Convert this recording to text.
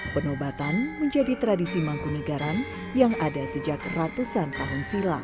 penobatan menjadi tradisi mangkunegaran yang ada sejak ratusan tahun silam